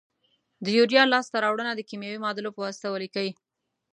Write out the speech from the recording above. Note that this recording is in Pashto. د یوریا لاس ته راوړنه د کیمیاوي معادلو په واسطه ولیکئ.